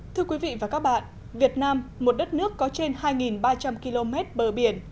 thưa quý vị và các bạn việt nam một đất nước có trên hai ba trăm linh km bờ biển